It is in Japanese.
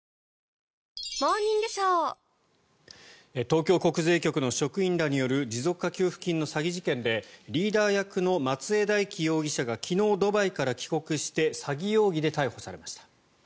東京国税局の職員らによる持続化給付金の詐欺事件でリーダー役の松江大樹容疑者が昨日、ドバイから帰国して詐欺容疑で逮捕されました。